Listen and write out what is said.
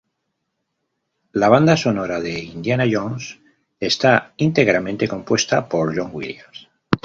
La banda sonora de Indiana Jones está íntegramente compuesta por John Williams.